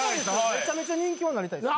めちゃめちゃ人気はなりたいです。